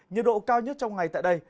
nhiệt độ cao nhất trong ngày tại đây